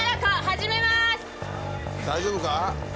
大丈夫か？